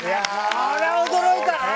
これは驚いたな。